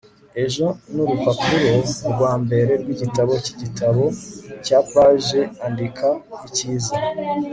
ejo nurupapuro rwambere rwigitabo cyigitabo cya page . andika icyiza